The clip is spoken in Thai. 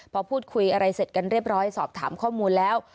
พอพูดคุยอะไรเสร็จกันเรียบร้อยสอบถามข้อมูลแล้ว